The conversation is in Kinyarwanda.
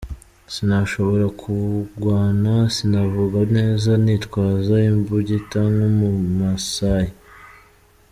"Sinashobora kugwana, sinavuga neza, nitwaza imbugita nk'umu Maasai.